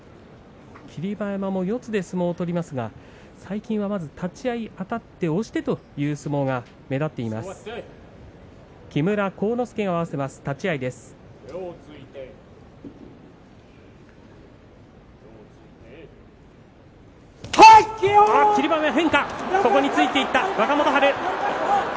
霧馬山も四つで相撲を取りますが最近は立ち合いにあたって押してという相撲が目立っている霧馬山。